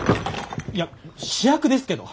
いや試薬ですけど。